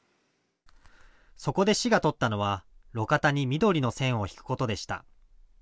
そこで市が取ったのは路肩に緑の線を引くことでした。